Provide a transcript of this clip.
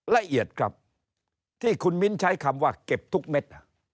ละเอียดครับที่คุณมิ้นใช้คำว่าเก็บทุกเม็ด